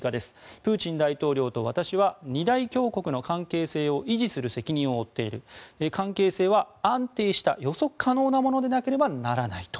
プーチン大統領と私は二大強国の関係性を維持する責任を負っている関係性は安定した予測可能なものでなければならないと。